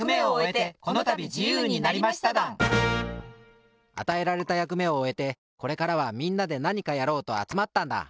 ぼくたちあたえられたやくめをおえてこれからはみんなでなにかやろうとあつまったんだ。